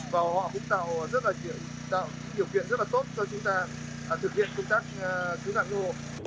và họ cũng tạo điều kiện rất là tốt cho chúng ta thực hiện công tác cứu nạn hộ